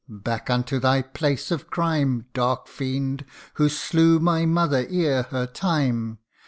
back unto thy place of crime, Dark fiend, who slew my mother ere her time